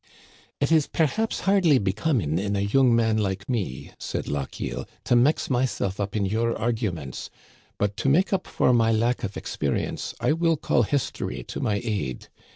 " It is perhaps hardly becoming in a young man like me," said Lochiel, "to mix myself up in your argu ments ; but, to make up for my lack of experience, I will call history to my aid.